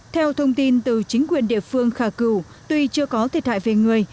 theo thông tin từ chính quyền địa phương khà cửu tuy chưa có thiệt hại về người